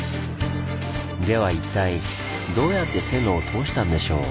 では一体どうやって線路を通したんでしょう？